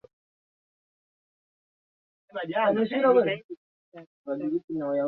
lina mito mikuu minne ambayo ni